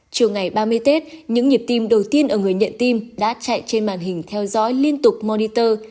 chiều ngày ba mươi tết những nhịp tim đầu tiên ở người nhận tim đã chạy trên màn hình theo dõi liên tục moniter